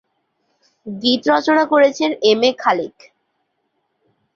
গীত রচনা করেছেন M A Khalek.